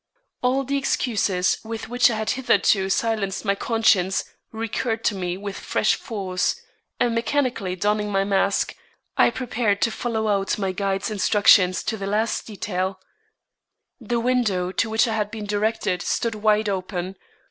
All the excuses with which I had hitherto silenced my conscience recurred to me with fresh force, and mechanically donning my mask, I prepared to follow out my guide's instructions to the last detail. The window to which I had been directed stood wide open.